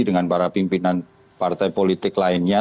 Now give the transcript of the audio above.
dengan para pimpinan partai politik lainnya